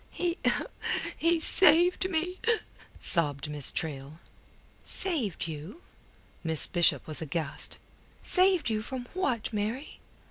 "He... he saved me," sobbed Miss Traill. "Saved you?" Miss Bishop was aghast. "Saved you from what, Mary?"